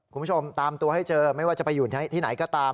คุณผู้ชมตามตัวให้เจอไม่ว่าจะไปอยู่ที่ไหนก็ตาม